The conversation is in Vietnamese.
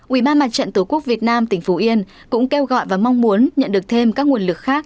ubnd tq việt nam tỉnh phú yên cũng kêu gọi và mong muốn nhận được thêm các nguồn lực khác